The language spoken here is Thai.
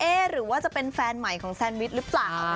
หรือว่าจะเป็นแฟนใหม่ของแซนวิชหรือเปล่า